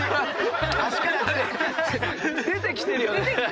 出てきてるよね。